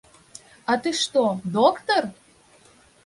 А ты што, доктар?